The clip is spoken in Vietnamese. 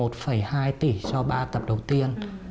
một hai tỷ cho ba tập đầu tiên